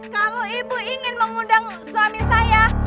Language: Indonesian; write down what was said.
kalau ibu ingin mengundang suami saya